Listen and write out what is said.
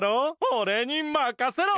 おれにまかせろ。